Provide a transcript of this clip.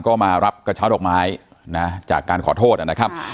ก็มารับกระเช้าดอกไม้นะจากการขอโทษนะครับ